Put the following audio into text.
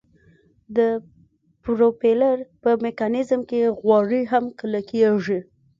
د پروپیلر په میکانیزم کې غوړي هم کلکیږي